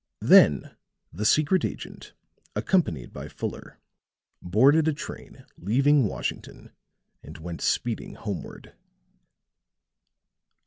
Then the secret agent, accompanied by Fuller, boarded a train leaving Washington and went speeding homeward.